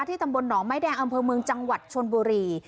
ตำบลหนองไม้แดงอำเภอเมืองจังหวัดชนบุรี